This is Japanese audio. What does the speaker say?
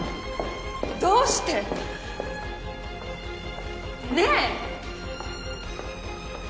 どうして。ねぇ！？